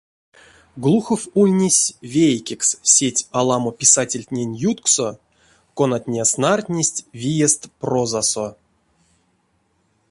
Глухов ульнесь вейкекс сеть аламо писательтнень ютксо, конатне снартнесть виест прозасо.